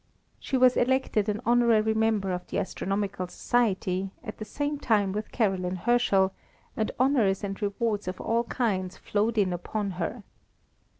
She was elected an honorary member of the Astronomical Society, at the same time with Caroline Herschel, and honours and rewards of all kinds flowed in upon her.